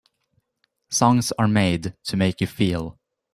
Songs are made to make you feel.